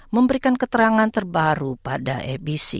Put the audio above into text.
memberikan keterangan terbaru pada abc